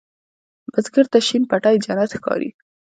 بزګر ته شین پټی جنت ښکاري